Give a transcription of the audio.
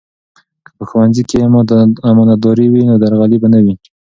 که په ښوونځي کې امانتداري وي نو درغلي به نه وي.